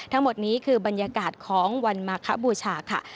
ทั้งหมดนี้คือบรรยากาศของวันมาคบูชาค่ะ